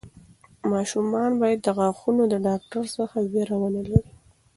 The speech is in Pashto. ماشومان باید د غاښونو د ډاکټر څخه وېره ونه لري.